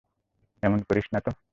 এমন করিস না তো।